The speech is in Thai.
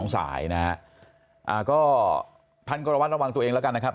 ๒สายนะท่านกรวัตรระวังตัวเองแล้วกันนะครับ